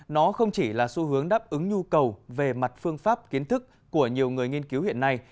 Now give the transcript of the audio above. nó không chỉ là xu hướng đáp ứng nhu cầu về mặt phương pháp kiến thức của nhiều người nghiên cứu hiện nay